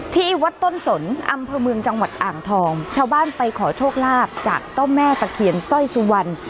ที่วัดต้นสนอำเภอเมืองจังหวัดอ่างทองชาวบ้านไปขอโชคลาภจากเจ้าแม่ตะเคียนสร้อยสุวรรณ